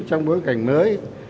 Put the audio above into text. trong bối cảnh mới